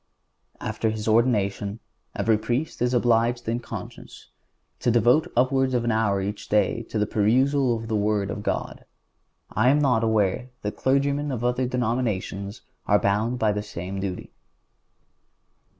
And after his ordination every Priest is obliged in conscience to devote upwards of an hour each day to the perusal of the Word of God. I am not aware that clergymen of other denominations are bound by the same duty.